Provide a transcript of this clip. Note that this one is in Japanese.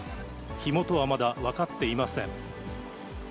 火元はまだ分かっていません。